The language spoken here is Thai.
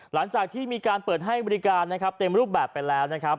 หลังจากที่มีการเปิดให้บริการนะครับเต็มรูปแบบไปแล้วนะครับ